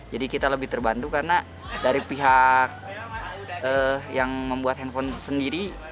jadi kita lebih terbantu karena dari pihak yang membuat handphone sendiri